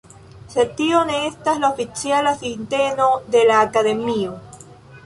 Sed tio ne estas la oficiala sinteno de la Akademio.